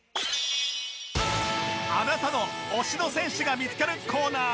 あなたの推しの選手が見つかるコーナー